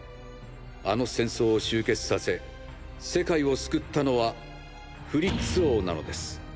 あの戦争を終結させ世界を救ったのはフリッツ王なのです。